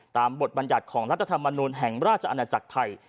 บทบรรยัติของรัฐธรรมนูลแห่งราชอาณาจักรไทย